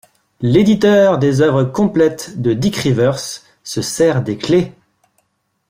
L'éditeur des oeuvres complètes de Dick Rivers se sert des clefs!